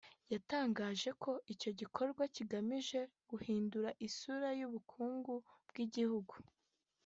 yatangaje ko icyo gikorwa kigamije guhindura isura y’ubukungu bw’igihugu